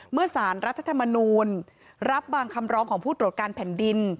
สารรัฐธรรมนูลรับบางคำร้องของผู้ตรวจการแผ่นดิน